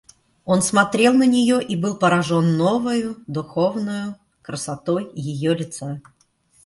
Он смотрел на нее и был поражен новою духовною красотой ее лица.